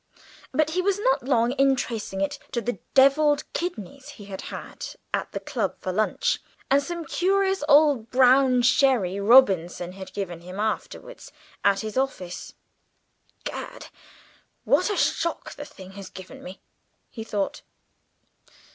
But he was not long in tracing it to the devilled kidneys he had had at the club for lunch, and some curious old brown sherry Robinson had given him afterwards at his office. "Gad, what a shock the thing has given me!" he thought.